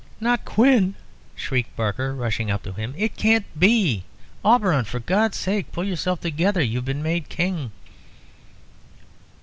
"Not Quin!" shrieked Barker, rushing up to him; "it can't be. Auberon, for God's sake pull yourself together. You've been made King!"